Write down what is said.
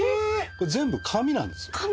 これ全部紙なんですよ。